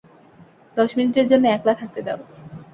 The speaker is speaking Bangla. দশ মিনিটের জন্যে একলা থাকতে দাও।